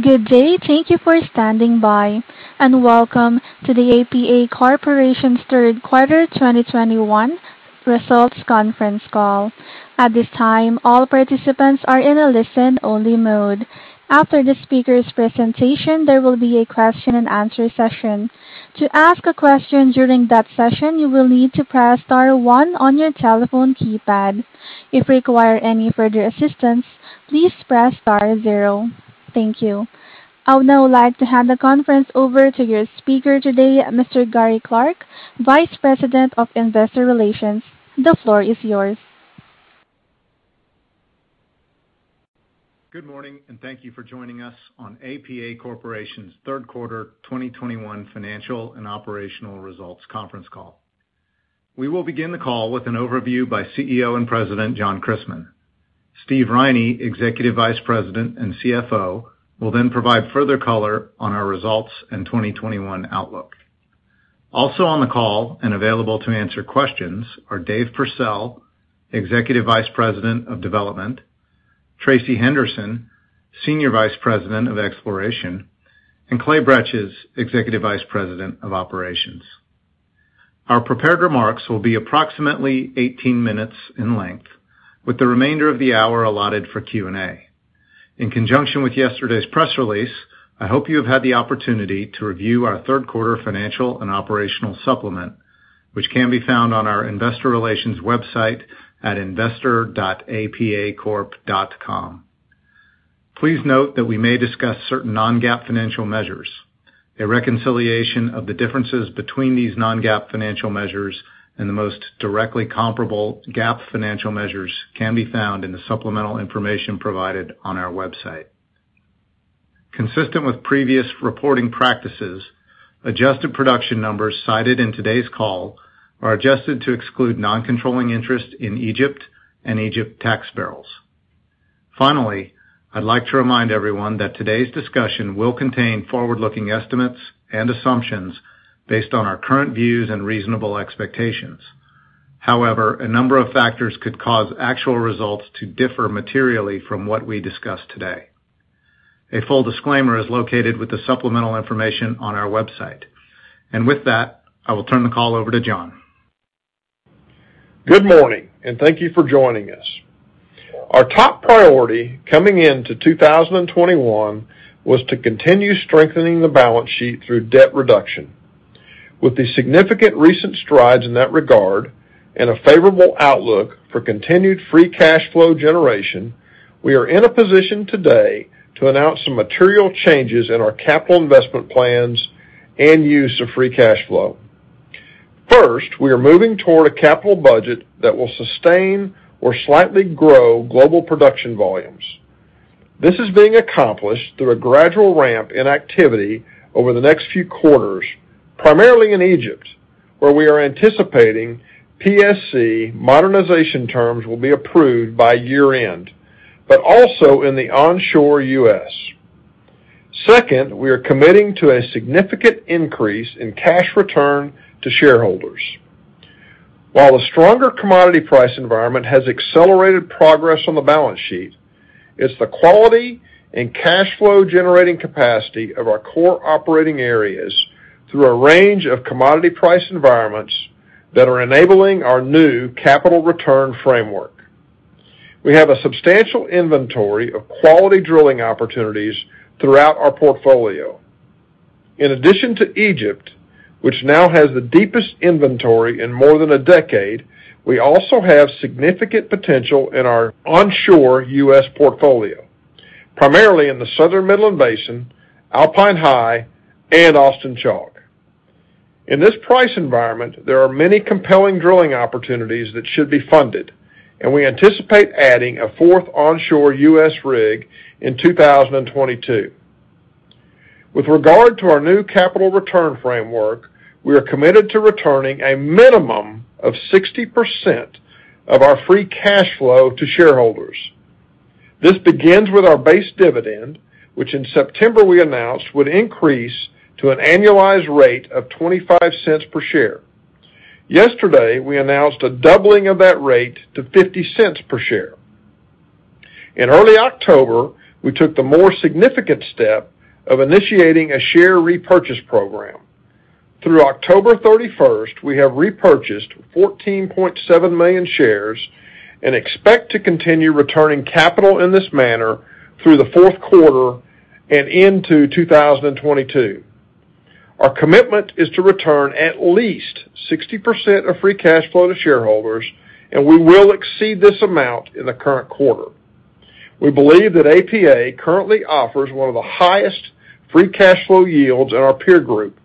Good day. Thank you for standing by, and welcome to the APA Corporation's third quarter 2021 results conference call. At this time, all participants are in a listen-only mode. After the speaker's presentation, there will be a question-and answer session. To ask a question during that session, you will need to press star one on your telephone keypad. If you require any further assistance, please press star zero. Thank you. I would now like to hand the conference over to your speaker today, Mr. Gary Clark, Vice President of Investor Relations. The floor is yours. Good morning, and thank you for joining us on APA Corporation's third quarter 2021 financial and operational results conference call. We will begin the call with an overview by CEO and President, John J. Christmann IV. Steve Riney, Executive Vice President and CFO, will then provide further color on our results in 2021 outlook. Also on the call and available to answer questions are Dave Pursell, Executive Vice President of Development, Tracey K. Henderson, Senior Vice President of Exploration, and Clay Bretches, Executive Vice President of Operations. Our prepared remarks will be approximately 18 minutes in length, with the remainder of the hour allotted for Q&A. In conjunction with yesterday's press release, I hope you have had the opportunity to review our third quarter financial and operational supplement, which can be found on our investor relations website at investor.apacorp.com. Please note that we may discuss certain non-GAAP financial measures. A reconciliation of the differences between these non-GAAP financial measures and the most directly comparable GAAP financial measures can be found in the supplemental information provided on our website. Consistent with previous reporting practices, adjusted production numbers cited in today's call are adjusted to exclude non-controlling interest in Egypt and Egypt tax barrels. Finally, I'd like to remind everyone that today's discussion will contain forward-looking estimates and assumptions based on our current views and reasonable expectations. However, a number of factors could cause actual results to differ materially from what we discuss today. A full disclaimer is located with the supplemental information on our website. With that, I will turn the call over to John. Good morning, and thank you for joining us. Our top priority coming into 2021 was to continue strengthening the balance sheet through debt reduction. With the significant recent strides in that regard and a favorable outlook for continued free cash flow generation, we are in a position today to announce some material changes in our capital investment plans and use of free cash flow. First, we are moving toward a capital budget that will sustain or slightly grow global production volumes. This is being accomplished through a gradual ramp in activity over the next few quarters, primarily in Egypt, where we are anticipating PSC modernization terms will be approved by year-end, but also in the onshore U.S. Second, we are committing to a significant increase in cash return to shareholders. While a stronger commodity price environment has accelerated progress on the balance sheet, it's the quality and cash flow generating capacity of our core operating areas through a range of commodity price environments that are enabling our new capital return framework. We have a substantial inventory of quality drilling opportunities throughout our portfolio. In addition to Egypt, which now has the deepest inventory in more than a decade, we also have significant potential in our onshore U.S. portfolio, primarily in the Southern Midland Basin, Alpine High, and Austin Chalk. In this price environment, there are many compelling drilling opportunities that should be funded, and we anticipate adding a fourth onshore U.S. rig in 2022. With regard to our new capital return framework, we are committed to returning a minimum of 60% of our free cash flow to shareholders. This begins with our base dividend, which in September we announced would increase to an annualized rate of $0.25 per share. Yesterday, we announced a doubling of that rate to $0.50 per share. In early October, we took the more significant step of initiating a share repurchase program. Through October 31, we have repurchased 14.7 million shares and expect to continue returning capital in this manner through the fourth quarter and into 2022. Our commitment is to return at least 60% of free cash flow to shareholders, and we will exceed this amount in the current quarter. We believe that APA currently offers one of the highest free cash flow yields in our peer group,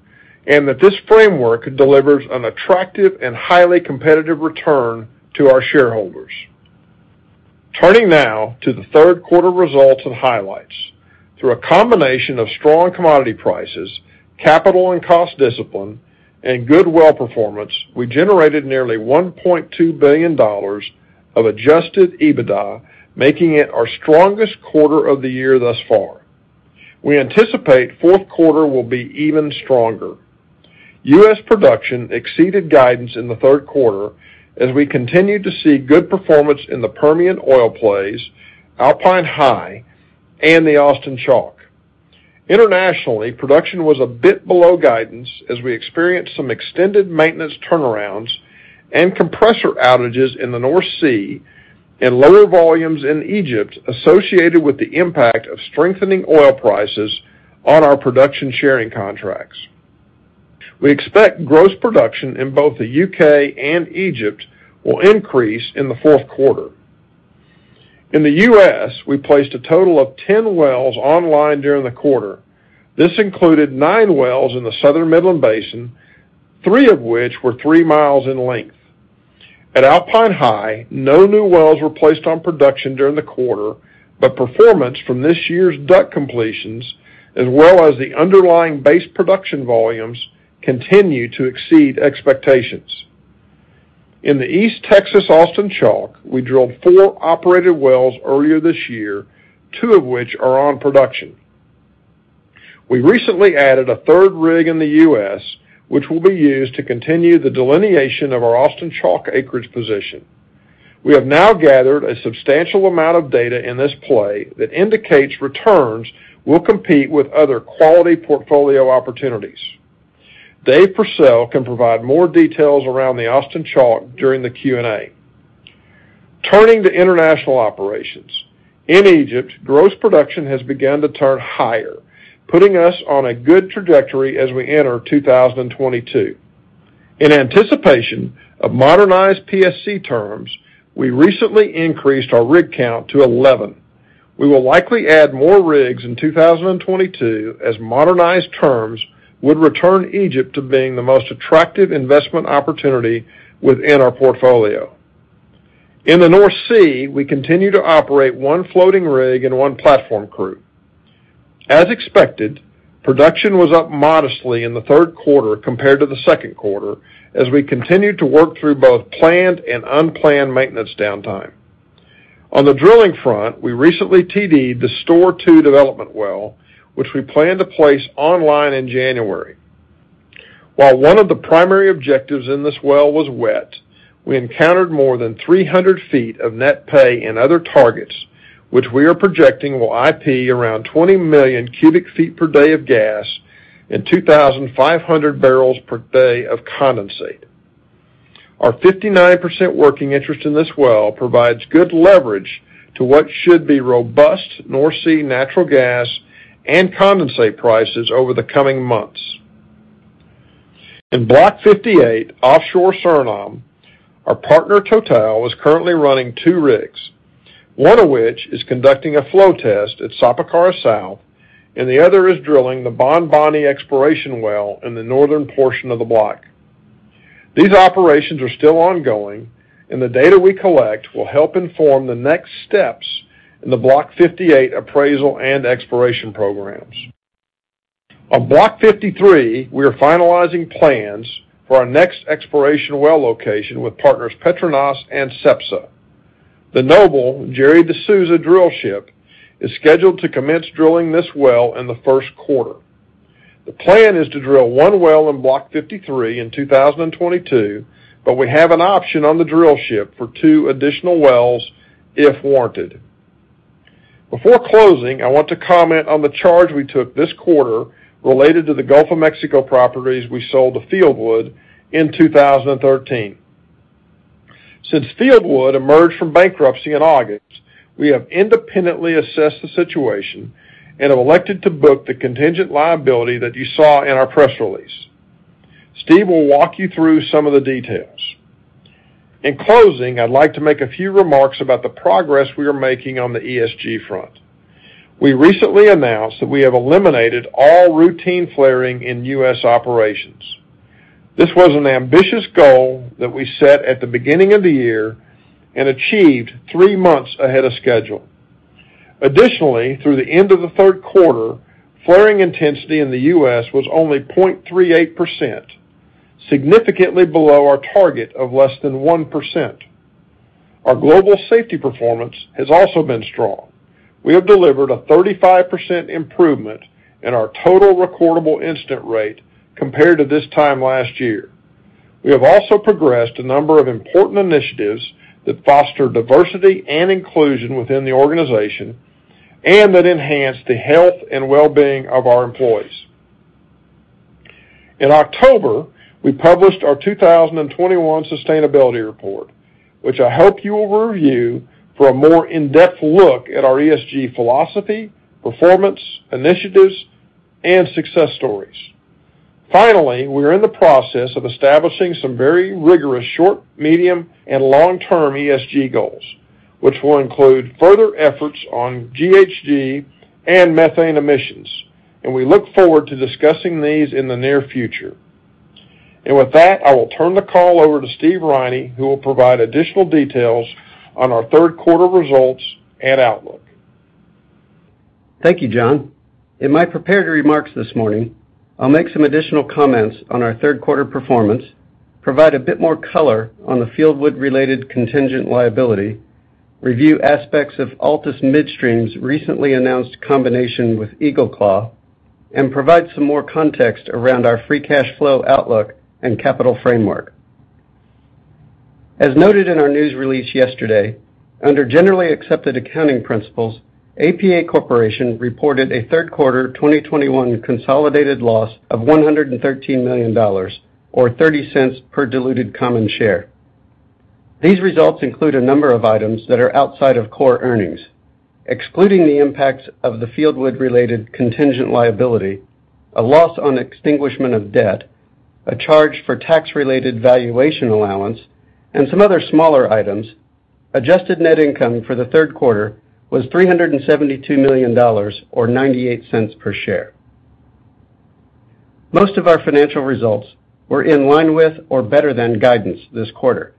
and that this framework delivers an attractive and highly competitive return to our shareholders. Turning now to the third quarter results and highlights. Through a combination of strong commodity prices, capital and cost discipline, and good well performance, we generated nearly $1.2 billion of adjusted EBITDA, making it our strongest quarter of the year thus far. We anticipate fourth quarter will be even stronger. U.S. production exceeded guidance in the third quarter as we continued to see good performance in the Permian oil plays, Alpine High, and the Austin Chalk. Internationally, production was a bit below guidance as we experienced some extended maintenance turnarounds and compressor outages in the North Sea and lower volumes in Egypt associated with the impact of strengthening oil prices on our production sharing contracts. We expect gross production in both the U.K. and Egypt will increase in the fourth quarter. In the U.S., we placed a total of 10 wells online during the quarter. This included nine wells in the Southern Midland Basin, three of which were three miles in length. At Alpine High, no new wells were placed on production during the quarter, but performance from this year's DUC completions as well as the underlying base production volumes continue to exceed expectations. In the East Texas Austin Chalk, we drilled four operated wells earlier this year, two of which are on production. We recently added a third rig in the U.S., which will be used to continue the delineation of our Austin Chalk acreage position. We have now gathered a substantial amount of data in this play that indicates returns will compete with other quality portfolio opportunities. Dave Pursell can provide more details around the Austin Chalk during the Q&A. Turning to international operations. In Egypt, gross production has begun to turn higher, putting us on a good trajectory as we enter 2022. In anticipation of modernized PSC terms, we recently increased our rig count to 11. We will likely add more rigs in 2022 as modernized terms would return Egypt to being the most attractive investment opportunity within our portfolio. In the North Sea, we continue to operate one floating rig and one platform crew. As expected, production was up modestly in the third quarter compared to the second quarter as we continued to work through both planned and unplanned maintenance downtime. On the drilling front, we recently TD'd the Storr-02 development well, which we plan to place online in January. While one of the primary objectives in this well was wet, we encountered more than 300 feet of net pay in other targets, which we are projecting will IP around 20 million cubic feet per day of gas and 2,500 barrels per day of condensate. Our 59% working interest in this well provides good leverage to what should be robust North Sea natural gas and condensate prices over the coming months. In Block 58 offshore Suriname, our partner Total is currently running two rigs, one of which is conducting a flow test at Sapakara South, and the other is drilling the Bonboni exploration well in the northern portion of the block. These operations are still ongoing, and the data we collect will help inform the next steps in the Block 58 appraisal and exploration programs. On Block 53, we are finalizing plans for our next exploration well location with partners PETRONAS and CEPSA. The Noble Gerry de Souza drillship is scheduled to commence drilling this well in the first quarter. The plan is to drill one well in Block 53 in 2022, but we have an option on the drillship for two additional wells if warranted. Before closing, I want to comment on the charge we took this quarter related to the Gulf of Mexico properties we sold to Fieldwood in 2013. Since Fieldwood emerged from bankruptcy in August, we have independently assessed the situation and have elected to book the contingent liability that you saw in our press release. Steve will walk you through some of the details. In closing, I'd like to make a few remarks about the progress we are making on the ESG front. We recently announced that we have eliminated all routine flaring in U.S. operations. This was an ambitious goal that we set at the beginning of the year and achieved three months ahead of schedule. Additionally, through the end of the third quarter, flaring intensity in the U.S. was only 0.38%, significantly below our target of less than 1%. Our global safety performance has also been strong. We have delivered a 35% improvement in our total recordable incident rate compared to this time last year. We have also progressed a number of important initiatives that foster diversity and inclusion within the organization and that enhance the health and well-being of our employees. In October, we published our 2021 sustainability report, which I hope you will review for a more in-depth look at our ESG philosophy, performance, initiatives, and success stories. Finally, we are in the process of establishing some very rigorous short, medium, and long-term ESG goals, which will include further efforts on GHG and methane emissions, and we look forward to discussing these in the near future. With that, I will turn the call over to Steve Riney, who will provide additional details on our third quarter results and outlook. Thank you, John. In my prepared remarks this morning, I'll make some additional comments on our third quarter performance, provide a bit more color on the Fieldwood-related contingent liability, review aspects of Altus Midstream's recently announced combination with EagleClaw, and provide some more context around our free cash flow outlook and capital framework. As noted in our news release yesterday, under generally accepted accounting principles, APA Corporation reported a third quarter 2021 consolidated loss of $113 million or $0.30 per diluted common share. These results include a number of items that are outside of core earnings. Excluding the impacts of the Fieldwood-related contingent liability, a loss on extinguishment of debt, a charge for tax-related valuation allowance, and some other smaller items, adjusted net income for the third quarter was $372 million, or $0.98 per share. Most of our financial results were in line with or better than guidance this quarter.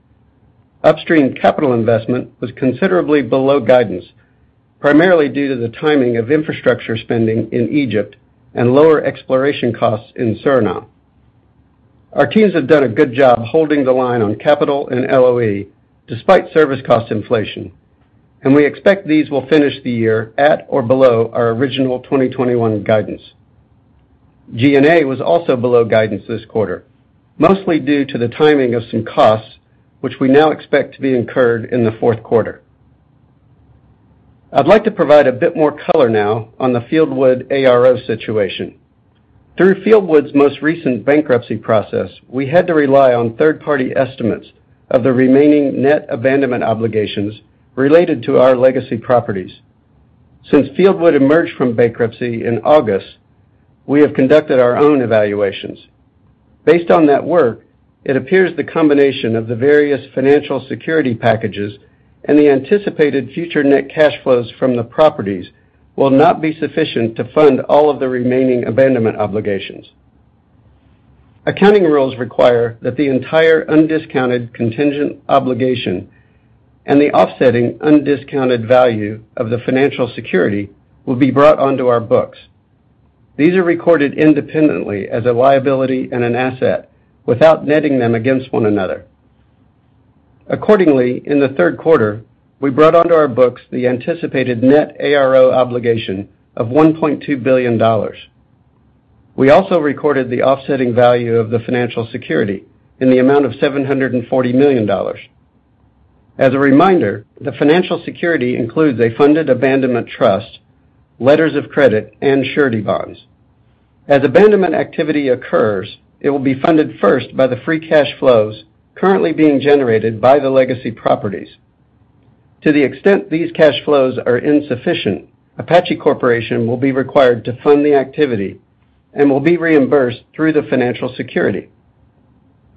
Upstream capital investment was considerably below guidance, primarily due to the timing of infrastructure spending in Egypt and lower exploration costs in Suriname. Our teams have done a good job holding the line on capital and LOE despite service cost inflation, and we expect these will finish the year at or below our original 2021 guidance. G&A was also below guidance this quarter, mostly due to the timing of some costs, which we now expect to be incurred in the fourth quarter. I'd like to provide a bit more color now on the Fieldwood ARO situation. Through Fieldwood's most recent bankruptcy process, we had to rely on third-party estimates of the remaining net abandonment obligations related to our legacy properties. Since Fieldwood emerged from bankruptcy in August, we have conducted our own evaluations. Based on that work, it appears the combination of the various financial security packages and the anticipated future net cash flows from the properties will not be sufficient to fund all of the remaining abandonment obligations. Accounting rules require that the entire undiscounted contingent obligation and the offsetting undiscounted value of the financial security will be brought onto our books. These are recorded independently as a liability and an asset without netting them against one another. Accordingly, in the third quarter, we brought onto our books the anticipated net ARO obligation of $1.2 billion. We also recorded the offsetting value of the financial security in the amount of $740 million. As a reminder, the financial security includes a funded abandonment trust, letters of credit, and surety bonds. As abandonment activity occurs, it will be funded first by the free cash flows currently being generated by the legacy properties. To the extent these cash flows are insufficient, Apache Corporation will be required to fund the activity and will be reimbursed through the financial security.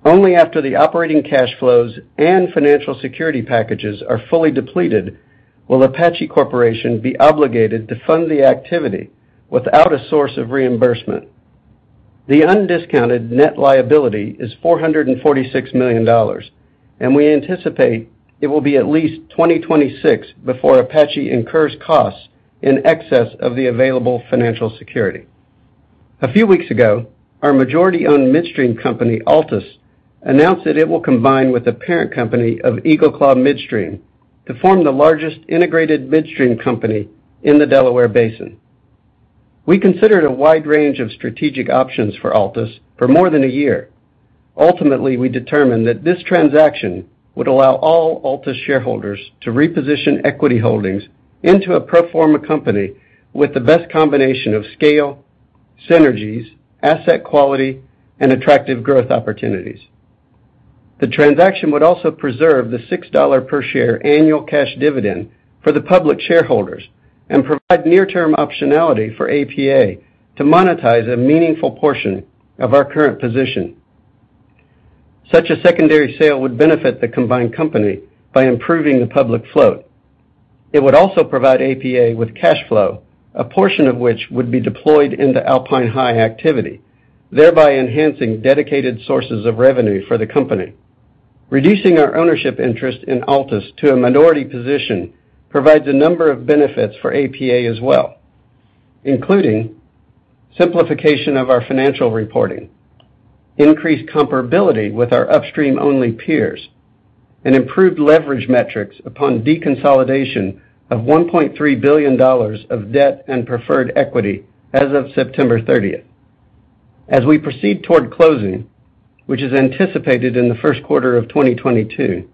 Only after the operating cash flows and financial security packages are fully depleted will Apache Corporation be obligated to fund the activity without a source of reimbursement. The undiscounted net liability is $446 million, and we anticipate it will be at least 2026 before Apache incurs costs in excess of the available financial security. A few weeks ago, our majority-owned midstream company, Altus, announced that it will combine with the parent company of EagleClaw Midstream to form the largest integrated midstream company in the Delaware Basin. We considered a wide range of strategic options for Altus for more than a year. Ultimately, we determined that this transaction would allow all Altus shareholders to reposition equity holdings into a pro forma company with the best combination of scale, synergies, asset quality, and attractive growth opportunities. The transaction would also preserve the $6 per share annual cash dividend for the public shareholders and provide near-term optionality for APA to monetize a meaningful portion of our current position. Such a secondary sale would benefit the combined company by improving the public float. It would also provide APA with cash flow, a portion of which would be deployed into Alpine High activity, thereby enhancing dedicated sources of revenue for the company. Reducing our ownership interest in Altus to a minority position provides a number of benefits for APA as well, including simplification of our financial reporting, increased comparability with our upstream-only peers, and improved leverage metrics upon deconsolidation of $1.3 billion of debt and preferred equity as of September 30. As we proceed toward closing, which is anticipated in the first quarter of 2022,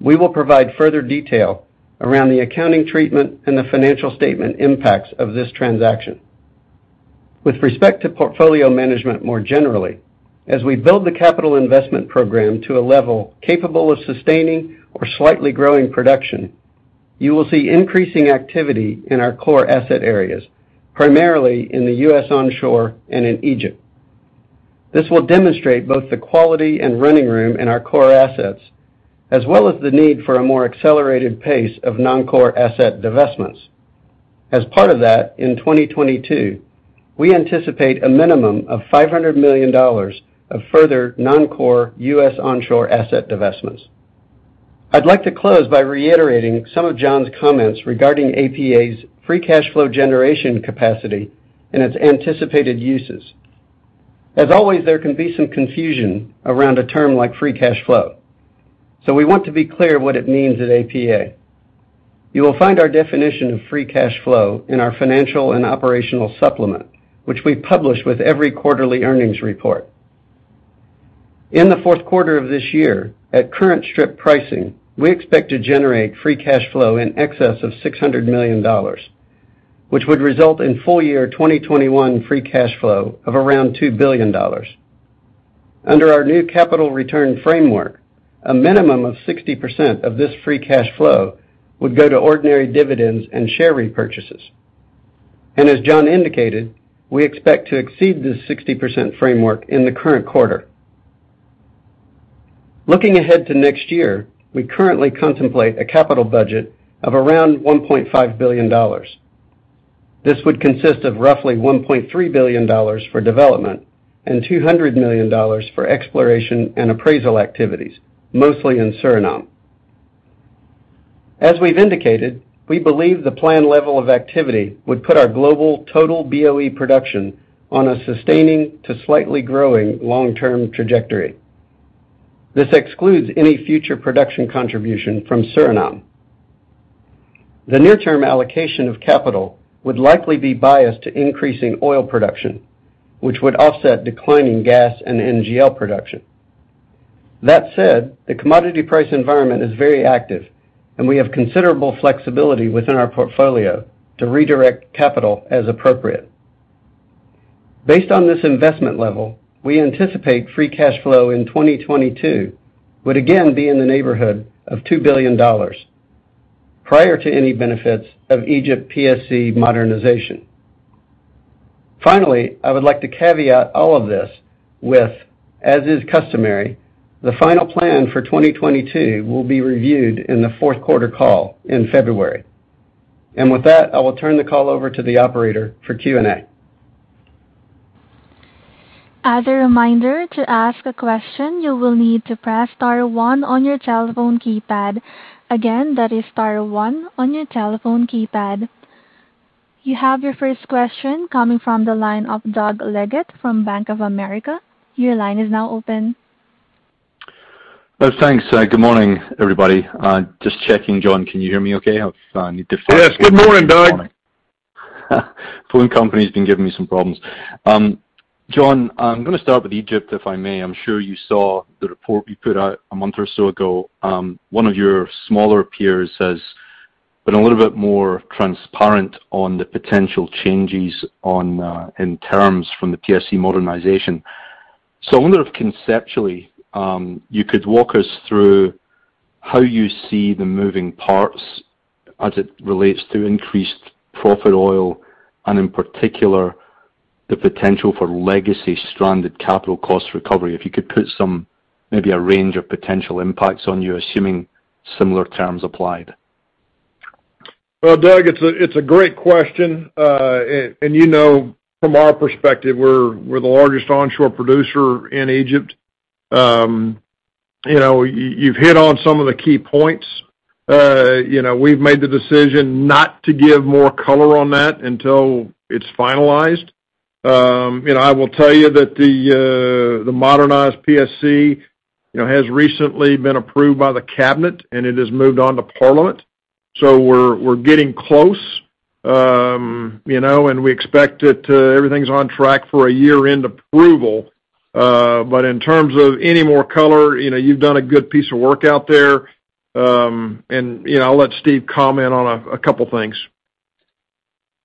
we will provide further detail around the accounting treatment and the financial statement impacts of this transaction. With respect to portfolio management more generally, as we build the capital investment program to a level capable of sustaining or slightly growing production, you will see increasing activity in our core asset areas, primarily in the U.S. onshore and in Egypt. This will demonstrate both the quality and running room in our core assets, as well as the need for a more accelerated pace of non-core asset divestments. As part of that, in 2022, we anticipate a minimum of $500 million of further non-core U.S. onshore asset divestments. I'd like to close by reiterating some of John's comments regarding APA's free cash flow generation capacity and its anticipated uses. As always, there can be some confusion around a term like free cash flow. We want to be clear what it means at APA. You will find our definition of free cash flow in our financial and operational supplement, which we publish with every quarterly earnings report. In the fourth quarter of this year, at current strip pricing, we expect to generate free cash flow in excess of $600 million, which would result in full year 2021 free cash flow of around $2 billion. Under our new capital return framework, a minimum of 60% of this free cash flow would go to ordinary dividends and share repurchases. As John indicated, we expect to exceed this 60% framework in the current quarter. Looking ahead to next year, we currently contemplate a capital budget of around $1.5 billion. This would consist of roughly $1.3 billion for development and $200 million for exploration and appraisal activities, mostly in Suriname. As we've indicated, we believe the plan level of activity would put our global total BOE production on a sustaining to slightly growing long-term trajectory. This excludes any future production contribution from Suriname. The near-term allocation of capital would likely be biased to increasing oil production, which would offset declining gas and NGL production. That said, the commodity price environment is very active, and we have considerable flexibility within our portfolio to redirect capital as appropriate. Based on this investment level, we anticipate free cash flow in 2022 would again be in the neighborhood of $2 billion prior to any benefits of Egypt PSC modernization. Finally, I would like to caveat all of this with, as is customary, the final plan for 2022 will be reviewed in the fourth quarter call in February. With that, I will turn the call over to the operator for Q&A. As a reminder, to ask a question, you will need to press star one on your telephone keypad. Again, that is star one on your telephone keypad. You have your first question coming from the line of Doug Leggate from Bank of America. Your line is now open. Thanks. Good morning, everybody. Just checking. John, can you hear me okay? I need to- Yes. Good morning, Doug. Phone company has been giving me some problems. John, I'm gonna start with Egypt, if I may. I'm sure you saw the report you put out a month or so ago. One of your smaller peers has been a little bit more transparent on the potential changes on, in terms from the PSC modernization. I wonder if conceptually, you could walk us through how you see the moving parts as it relates to increased profit oil and in particular, the potential for legacy stranded capital cost recovery. If you could put some, maybe a range of potential impacts on you, assuming similar terms applied. Well, Doug, it's a great question. You know, from our perspective, we're the largest onshore producer in Egypt. You know, you've hit on some of the key points. You know, we've made the decision not to give more color on that until it's finalized. I will tell you that the modernized PSC, you know, has recently been approved by the cabinet, and it has moved on to parliament. We're getting close, you know, and we expect everything's on track for a year-end approval. In terms of any more color, you know, you've done a good piece of work out there. You know, I'll let Steve comment on a couple things.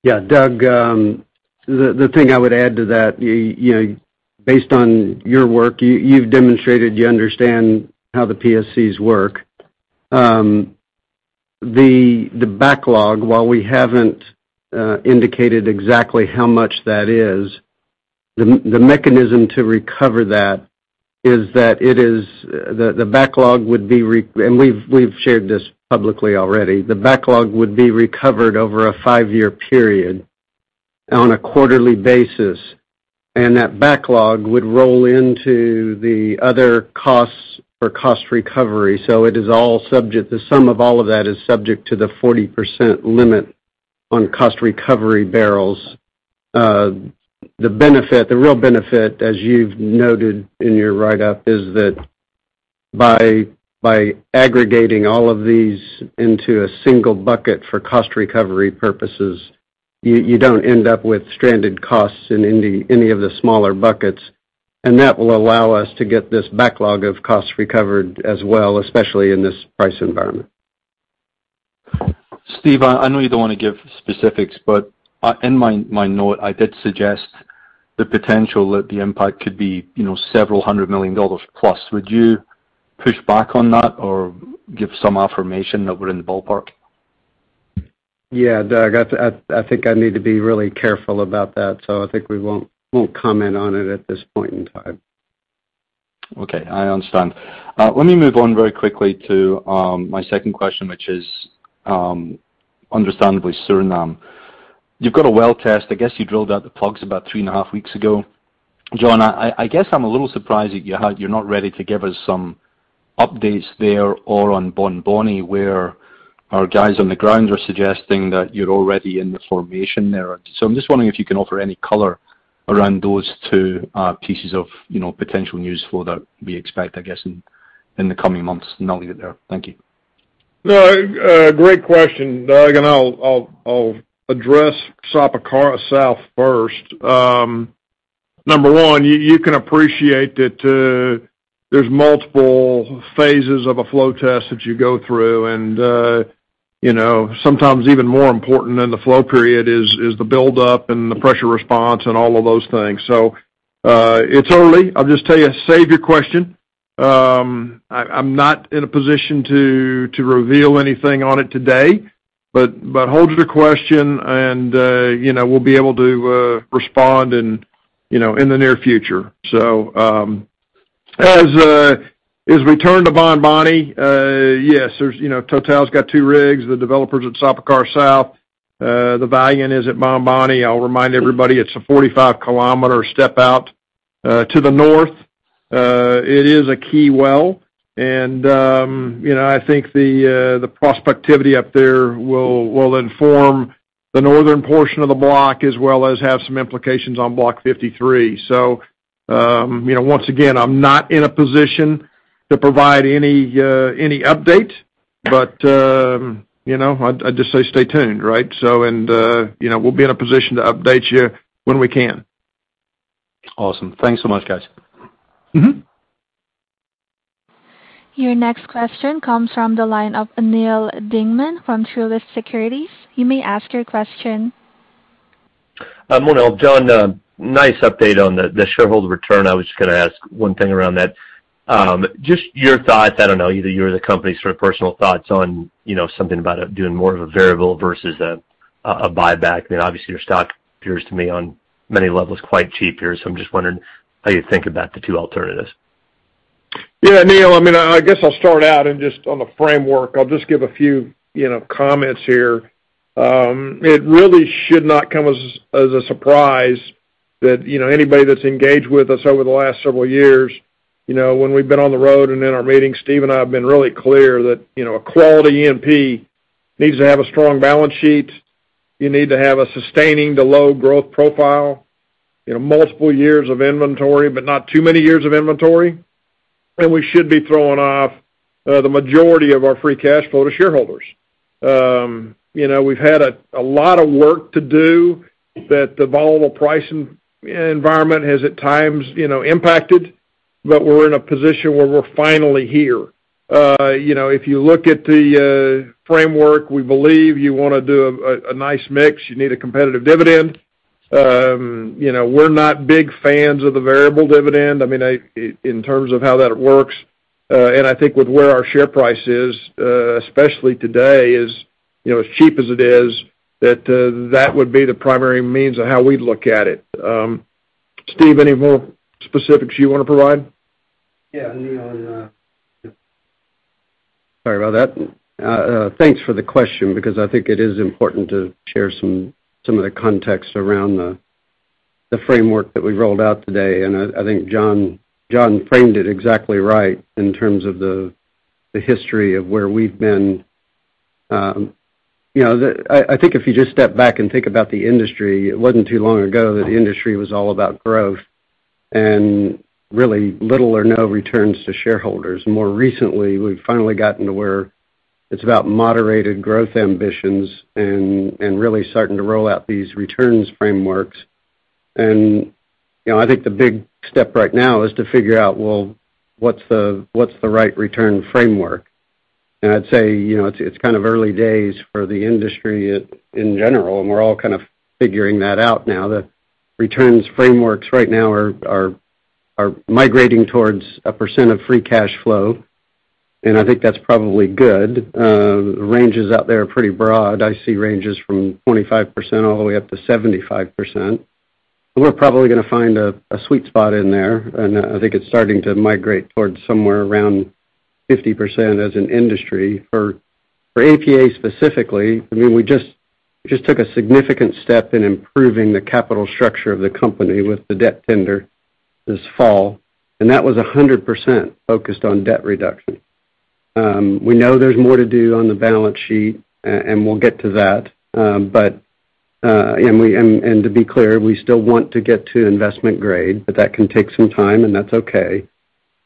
Yeah, Doug, the thing I would add to that, you know, based on your work, you've demonstrated you understand how the PSCs work. The backlog, while we haven't indicated exactly how much that is, the mechanism to recover that is the backlog would be recovered, and we've shared this publicly already. The backlog would be recovered over a five-year period on a quarterly basis, and that backlog would roll into the other costs or cost recovery. So it is all subject. The sum of all of that is subject to the 40% limit on cost recovery barrels. The benefit, the real benefit, as you've noted in your write-up, is that by aggregating all of these into a single bucket for cost recovery purposes, you don't end up with stranded costs in any of the smaller buckets, and that will allow us to get this backlog of costs recovered as well, especially in this price environment. Steve, I know you don't wanna give specifics, but in my note, I did suggest the potential that the impact could be, you know, several $100 million+. Would you push back on that or give some affirmation that we're in the ballpark? Yeah. Doug, I think I need to be really careful about that, so I think we won't comment on it at this point in time. Okay, I understand. Let me move on very quickly to my second question, which is understandably Suriname. You've got a well test. I guess you drilled out the plugs about three and a half weeks ago. John, I guess I'm a little surprised that you're not ready to give us some updates there or on Bonboni, where our guys on the ground are suggesting that you're already in the formation there. I'm just wondering if you can offer any color around those two pieces of, you know, potential news flow that we expect, I guess, in the coming months. I'll leave it there. Thank you. No. Great question, Doug. I'll address Sapakara South first. Number one, you can appreciate that there's multiple phases of a flow test that you go through, and you know, sometimes even more important than the flow period is the buildup and the pressure response and all of those things. It's early. I'll just tell you, save your question. I'm not in a position to reveal anything on it today, but hold your question and you know, we'll be able to respond in the near future. As we turn to Bonboni, yes, there's you know, Total's got two rigs, the Developer at Sapakara South. The Valiant is at Bonboni. I'll remind everybody, it's a 45 km step out to the north. It is a key well, and you know, I think the prospectivity up there will inform the northern portion of the block as well as have some implications on Block 53. You know, once again, I'm not in a position to provide any update, but you know, I'd just say stay tuned, right? You know, we'll be in a position to update you when we can. Awesome. Thanks so much, guys. Mm-hmm. Your next question comes from the line of Neal Dingmann from Truist Securities. You may ask your question. Morning all. John, nice update on the shareholder return. I was just gonna ask one thing around that. Just your thoughts, I don't know, either you or the company's sort of personal thoughts on, you know, something about doing more of a variable versus a buyback. I mean, obviously, your stock appears to me on many levels, quite cheap here. I'm just wondering how you think about the two alternatives. Yeah, Neal, I mean, I guess I'll start out and just on the framework, I'll just give a few, you know, comments here. It really should not come as a surprise that, you know, anybody that's engaged with us over the last several years, you know, when we've been on the road and in our meetings, Steve and I have been really clear that, you know, a quality E&P needs to have a strong balance sheet. You need to have a sustaining to low growth profile, you know, multiple years of inventory, but not too many years of inventory. We should be throwing off the majority of our free cash flow to shareholders. You know, we've had a lot of work to do that the volatile pricing environment has at times, you know, impacted, but we're in a position where we're finally here. You know, if you look at the framework, we believe you wanna do a nice mix. You need a competitive dividend. You know, we're not big fans of the variable dividend. I mean in terms of how that works, and I think with where our share price is, especially today, you know, as cheap as it is, that would be the primary means of how we'd look at it. Steve, any more specifics you wanna provide? Yeah, Neal. Sorry about that. Thanks for the question because I think it is important to share some of the context around the framework that we rolled out today. I think John framed it exactly right in terms of the history of where we've been. You know, I think if you just step back and think about the industry, it wasn't too long ago that the industry was all about growth and really little or no returns to shareholders. More recently, we've finally gotten to where it's about moderated growth ambitions and really starting to roll out these returns frameworks. You know, I think the big step right now is to figure out, well, what's the right return framework? I'd say, you know, it's kind of early days for the industry in general, and we're all kind of figuring that out now. The returns frameworks right now are migrating towards a percent of free cash flow, and I think that's probably good. Ranges out there are pretty broad. I see ranges from 25% all the way up to 75%. We're probably gonna find a sweet spot in there, and I think it's starting to migrate towards somewhere around 50% as an industry. For APA specifically, I mean, we just took a significant step in improving the capital structure of the company with the debt tender this fall, and that was 100% focused on debt reduction. We know there's more to do on the balance sheet, and we'll get to that. To be clear, we still want to get to investment grade, but that can take some time, and that's okay.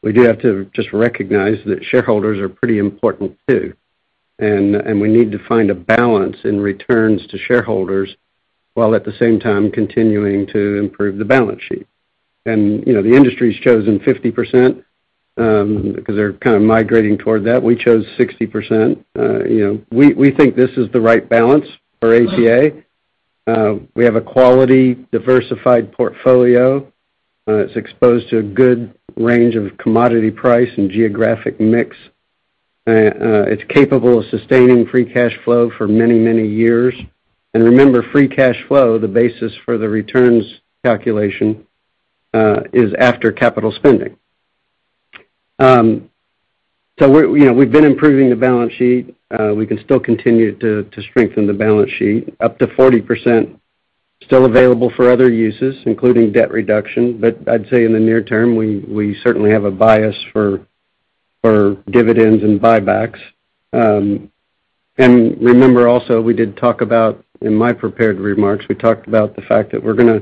We do have to just recognize that shareholders are pretty important too, and we need to find a balance in returns to shareholders, while at the same time continuing to improve the balance sheet. You know, the industry's chosen 50%, because they're kind of migrating toward that. We chose 60%. You know, we think this is the right balance for APA. We have a quality, diversified portfolio. It's exposed to a good range of commodity price and geographic mix. It's capable of sustaining free cash flow for many, many years. Remember, free cash flow, the basis for the returns calculation, is after capital spending. We're, you know, we've been improving the balance sheet. We can still continue to strengthen the balance sheet up to 40%. Still available for other uses, including debt reduction. I'd say in the near term, we certainly have a bias for dividends and buybacks. Remember also, we did talk about in my prepared remarks, we talked about the fact that we're gonna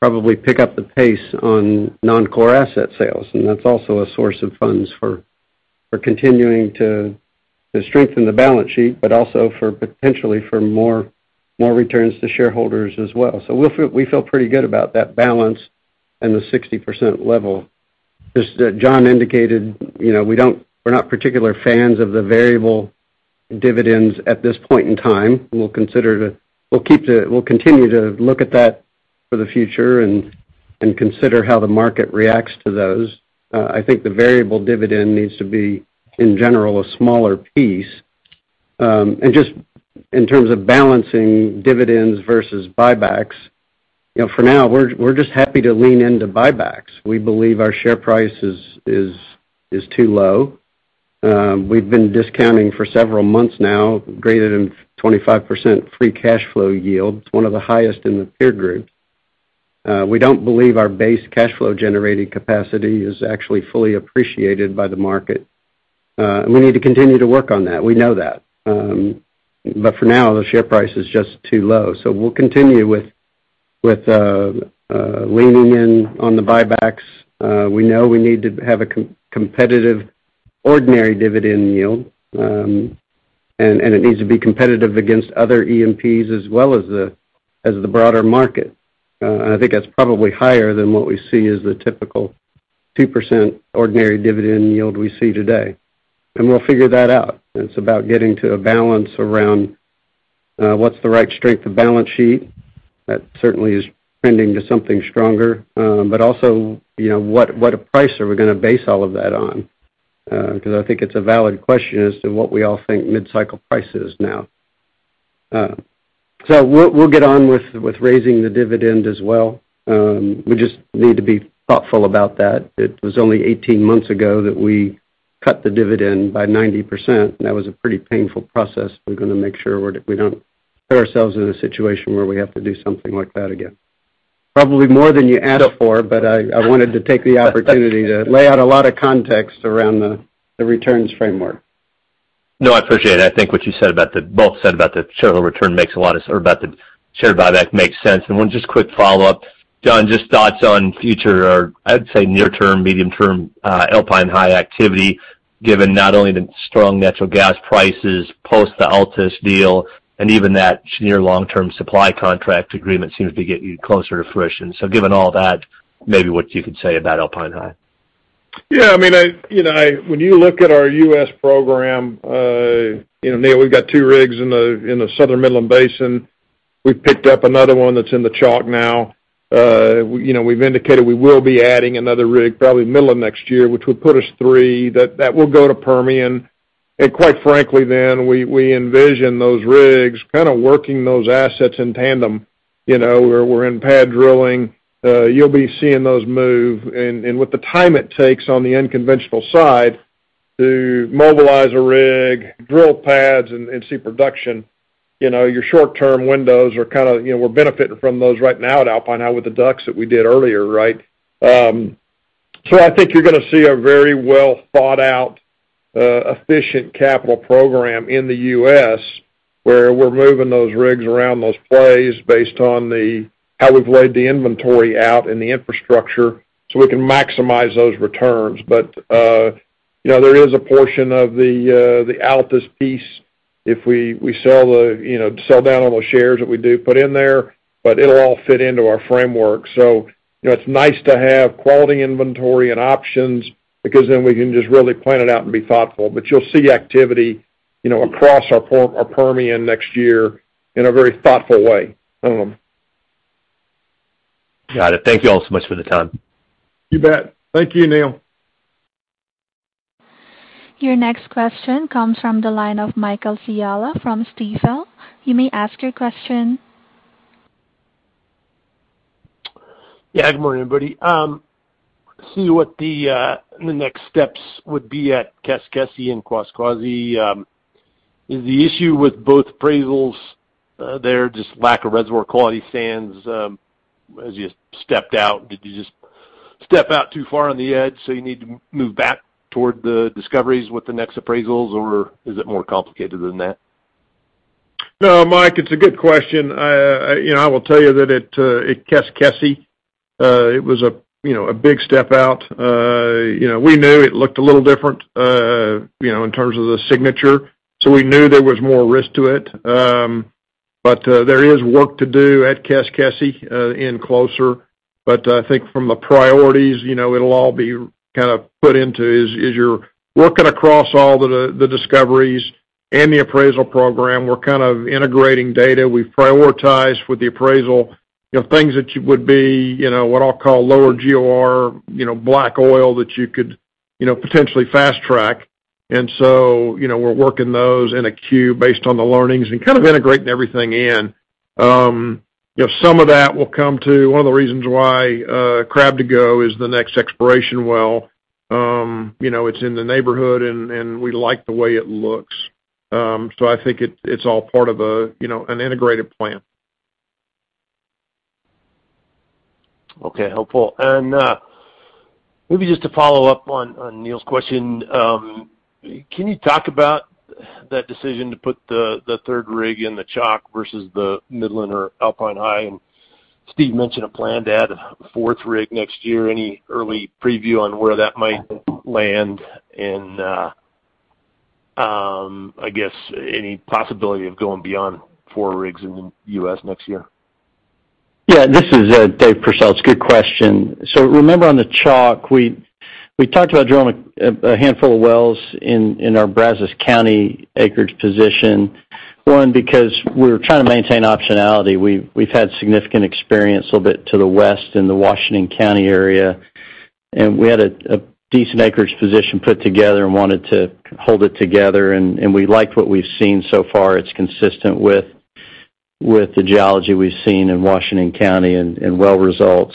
probably pick up the pace on non-core asset sales, and that's also a source of funds for continuing to strengthen the balance sheet, but also for potentially for more returns to shareholders as well. We feel pretty good about that balance and the 60% level. Just as John indicated, you know, we're not particular fans of the variable dividends at this point in time. We'll consider to... We'll continue to look at that for the future and consider how the market reacts to those. I think the variable dividend needs to be, in general, a smaller piece. Just in terms of balancing dividends versus buybacks, you know, for now, we're just happy to lean into buybacks. We believe our share price is too low. We've been discounting for several months now greater than 25% free cash flow yield. It's one of the highest in the peer group. We don't believe our base cash flow generating capacity is actually fully appreciated by the market. We need to continue to work on that. We know that. For now, the share price is just too low. We'll continue with leaning in on the buybacks. We know we need to have a competitive ordinary dividend yield, and it needs to be competitive against other E&Ps, as well as the broader market. I think that's probably higher than what we see as the typical 2% ordinary dividend yield we see today. We'll figure that out. It's about getting to a balance around what's the right strength of balance sheet. That certainly is trending to something stronger. Also, you know, what price are we gonna base all of that on? 'Cause I think it's a valid question as to what we all think mid-cycle price is now. We'll get on with raising the dividend as well. We just need to be thoughtful about that. It was only 18 months ago that we cut the dividend by 90%, and that was a pretty painful process. We're gonna make sure we don't put ourselves in a situation where we have to do something like that again. Probably more than you asked for, but I wanted to take the opportunity to lay out a lot of context around the returns framework. No, I appreciate it. I think what you said about the shareholder return makes a lot of sense. Or about the share buyback makes sense. One quick follow-up. John, just thoughts on future or, I'd say, near-term, medium-term Alpine High activity, given not only the strong natural gas prices post the Altus deal and even that near long-term supply contract agreement seems to be getting closer to fruition. Given all that, maybe what you could say about Alpine High. Yeah, I mean, you know, I—when you look at our U.S. program, you know, Neal, we've got two rigs in the Southern Midland Basin. We've picked up another one that's in the chalk now. You know, we've indicated we will be adding another rig probably middle of next year, which would put us three. That will go to Permian. And quite frankly, then we envision those rigs kind of working those assets in tandem. You know, we're in pad drilling. You'll be seeing those move. And with the time it takes on the unconventional side to mobilize a rig, drill pads and see production, you know, your short term windows are kind of. You know, we're benefiting from those right now at Alpine High with the DUCs that we did earlier, right? I think you're gonna see a very well thought out, efficient capital program in the U.S., where we're moving those rigs around those plays based on how we've laid the inventory out and the infrastructure, so we can maximize those returns. You know, there is a portion of the Altus piece if we sell down on the shares that we do put in there, but it'll all fit into our framework. You know, it's nice to have quality inventory and options because then we can just really plan it out and be thoughtful. You'll see activity, you know, across our Permian next year in a very thoughtful way. Got it. Thank you all so much for the time. You bet. Thank you, Neal. Your next question comes from the line of Michael Scialla from Stifel. You may ask your question. Yeah. Good morning, everybody. See what the next steps would be at Keskesi and Kwaskwasi. Is the issue with both appraisals there just lack of reservoir quality sands as you stepped out? Did you just step out too far on the edge, so you need to move back toward the discoveries with the next appraisals, or is it more complicated than that? No, Mike, it's a good question. You know, I will tell you that at Kwaskwasi, it was a big step out. You know, we knew it looked a little different in terms of the signature, so we knew there was more risk to it. But there is work to do at Kwaskwasi, in closer. But I think from the priorities, you know, it'll all be kind of put into as you're working across all the discoveries and the appraisal program. We're kind of integrating data. We prioritize with the appraisal, you know, things that you would be what I'll call lower GOR black oil that you could potentially fast track. You know, we're working those in a queue based on the learnings and kind of integrating everything in. Some of that will come to fruition. One of the reasons why Krabdagu is the next exploration well, you know, it's in the neighborhood and we like the way it looks. I think it's all part of a, you know, an integrated plan. Okay, helpful. Maybe just to follow up on Neal's question. Can you talk about that decision to put the third rig in the Chalk versus the Midland or Alpine High? Steve mentioned a plan to add a fourth rig next year. Any early preview on where that might land? I guess, any possibility of going beyond four rigs in the U.S. next year? Yeah. This is Dave Pursell. It's a good question. Remember on the Chalk, we talked about drilling a handful of wells in our Brazos County acreage position, one, because we're trying to maintain optionality. We've had significant experience a little bit to the west in the Washington County area, and we had a decent acreage position put together and wanted to hold it together, and we like what we've seen so far. It's consistent with the geology we've seen in Washington County and well results.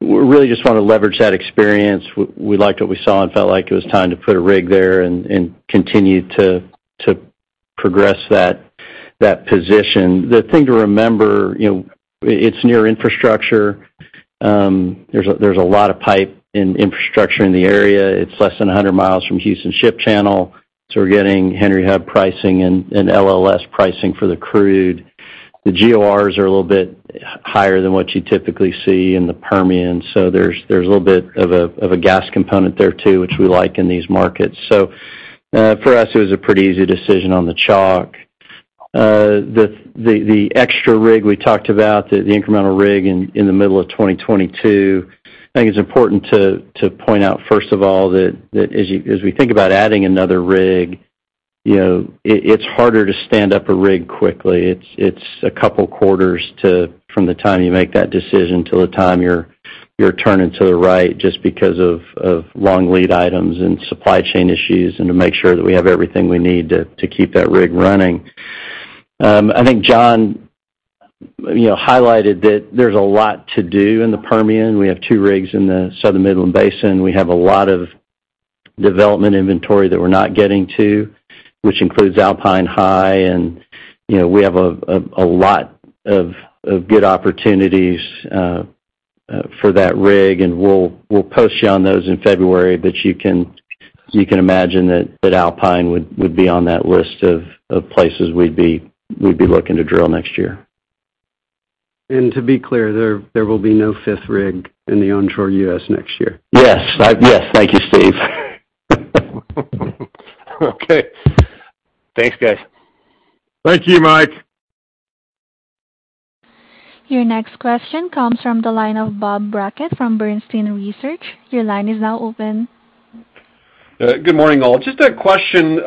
We really just wanna leverage that experience. We liked what we saw and felt like it was time to put a rig there and continue to progress that position. The thing to remember, you know, it's near infrastructure. There's a lot of pipe and infrastructure in the area. It's less than 100 miles from Houston Ship Channel, so we're getting Henry Hub pricing and LLS pricing for the crude. The GORs are a little bit higher than what you typically see in the Permian, so there's a little bit of a gas component there too, which we like in these markets. For us, it was a pretty easy decision on the Chalk. The extra rig we talked about, the incremental rig in the middle of 2022, I think it's important to point out, first of all, that as we think about adding another rig, you know, it's harder to stand up a rig quickly. It's a couple quarters from the time you make that decision till the time you're turning to the right, just because of long lead items and supply chain issues and to make sure that we have everything we need to keep that rig running. I think John you know highlighted that there's a lot to do in the Permian. We have two rigs in the Southern Midland Basin. We have a lot of development inventory that we're not getting to, which includes Alpine High and you know we have a lot of good opportunities for that rig, and we'll post you on those in February. You can imagine that Alpine would be on that list of places we'd be looking to drill next year. To be clear, there will be no fifth rig in the onshore U.S. next year. Yes. Yes, thank you, Steve. Okay. Thanks, guys. Thank you, Mike. Your next question comes from the line of Bob Brackett from Bernstein Research. Your line is now open. Good morning, all. Just a question,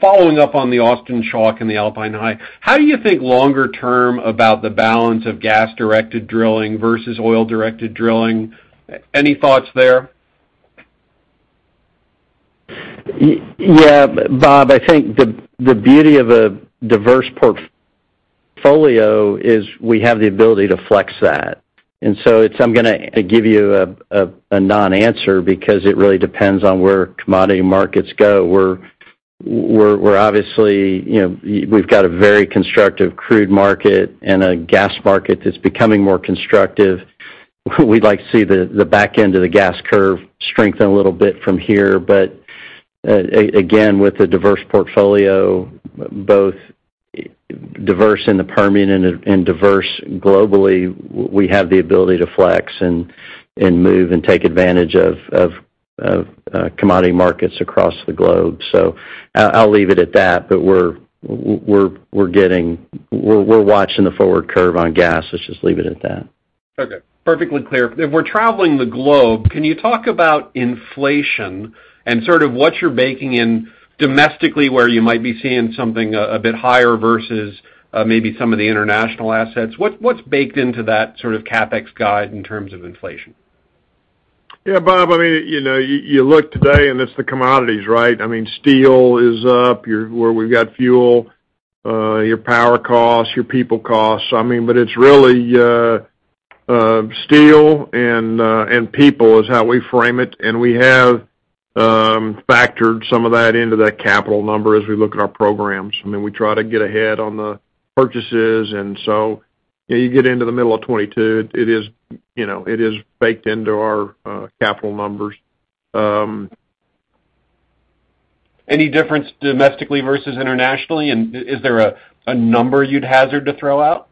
following up on the Austin Chalk and the Alpine High. How do you think longer term about the balance of gas-directed drilling versus oil-directed drilling? Any thoughts there? Yeah, Bob, I think the beauty of a diverse portfolio is we have the ability to flex that. I'm gonna give you a non-answer because it really depends on where commodity markets go. We're obviously, you know, we've got a very constructive crude market and a gas market that's becoming more constructive. We'd like to see the back end of the gas curve strengthen a little bit from here. But again, with a diverse portfolio, both diverse in the Permian and diverse globally, we have the ability to flex and move and take advantage of commodity markets across the globe. So I'll leave it at that, but we're watching the forward curve on gas. Let's just leave it at that. Okay. Perfectly clear. If we're traveling the globe, can you talk about inflation and sort of what you're baking in domestically, where you might be seeing something a bit higher versus, maybe some of the international assets? What's baked into that sort of CapEx guide in terms of inflation? Yeah, Bob, I mean, you know, you look today and it's the commodities, right? I mean, steel is up. Where we've got fuel, your power costs, your people costs. I mean, but it's really steel and people is how we frame it, and we have factored some of that into that capital number as we look at our programs. I mean, we try to get ahead on the purchases and so, you know, you get into the middle of 2022, it is, you know, it is baked into our capital numbers. Any difference domestically versus internationally? Is there a number you'd hazard to throw out?